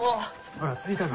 ほら着いたぞ。